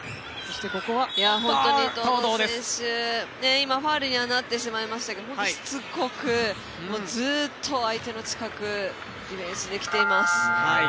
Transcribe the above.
今ファウルにはなってしまいましたが本当にしつこく、ずーっと相手の近くディフェンスできています。